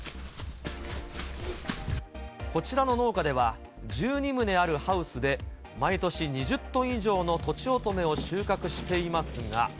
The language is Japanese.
こちらの農家では、１２棟あるハウスで毎年、２０トン以上のとちおとめを収穫していますが。